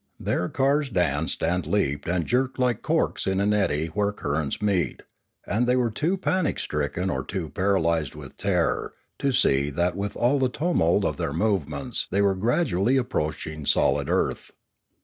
Their cars danced and leaped and jerked like corks in an eddy where currents meet, and they were too panic stricken or too paralysed with terror to see that with all the tumult of their movements they were gradually approaching solid earth.